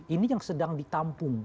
ini yang sedang ditampung